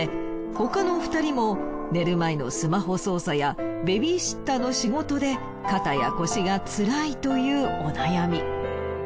他の２人も寝る前のスマホ操作やベビーシッターの仕事で肩や腰がつらいというお悩み。